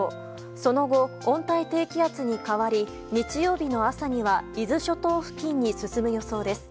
その後、温帯低気圧に変わり日曜日の朝には伊豆諸島付近に進む予想です。